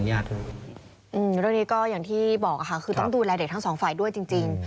อย่างที่บอกคือต้องดูแลเด็กทั้งสองฝ่ายด้วยจริงจริง